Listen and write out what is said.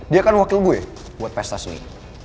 dia kan wakil gue buat pesta sini